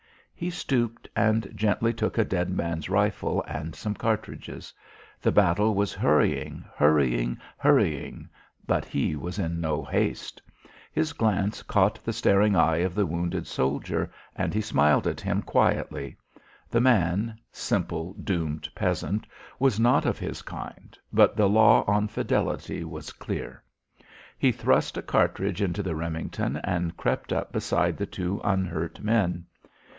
He stooped and gently took a dead man's rifle and some cartridges. The battle was hurrying, hurrying, hurrying, but he was in no haste. His glance caught the staring eye of the wounded soldier, and he smiled at him quietly. The man simple doomed peasant was not of his kind, but the law on fidelity was clear. He thrust a cartridge into the Remington and crept up beside the two unhurt men.